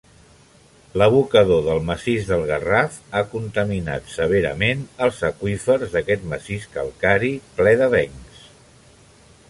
L'abocador del massís del Garraf ha contaminat severament els aqüífers d'aquest massís calcari ple d'avencs.